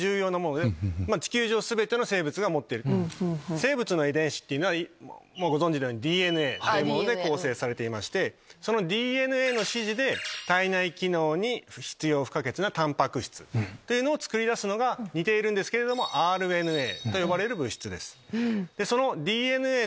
生物の遺伝子っていうのはもうご存じのようにＤＮＡで構成されていましてそのＤＮＡの指示で体内機能に必要不可欠なタンパク質を作り出すのが似ているんですけどＲＮＡと呼ばれる物質です。